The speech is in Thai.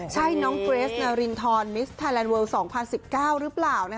ใช่น้องเกรสนารินทรมิสไทยแลนดเลิล๒๐๑๙หรือเปล่า